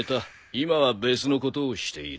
今は別のことをしている。